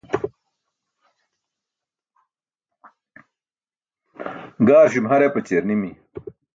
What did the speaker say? gaarśume har epaćiyar nimi